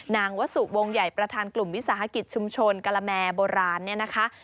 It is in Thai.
นางวัสสุวงศ์ใหญ่ประธานกลุ่มวิสาหกิจชุมชนการะแมร์โบราณนี่นะคะ